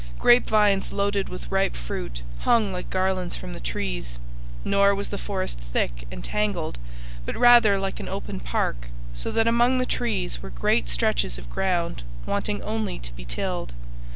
Grape vines loaded with ripe fruit hung like garlands from the trees. Nor was the forest thick and tangled, but rather like an open park, so that among the trees were great stretches of ground wanting only to be tilled.